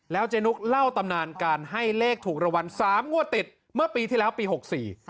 แล้วเจนุกเล่าตำนานการให้เลขถูกระวัน๓งวดติดเมื่อปีที่แล้วปี๖๔